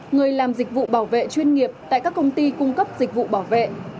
người làm dịch vụ bảo vệ chuyên nghiệp tại các công ty cung cấp dịch vụ bảo vệ